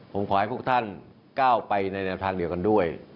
ผมขอให้พวกท่านก้าวไปในแนวทางเดียวกันด้วย